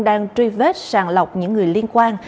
đang truy vết sàng lọc những người liên quan